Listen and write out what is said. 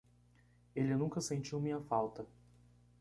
Ele nunca sentiu minha falta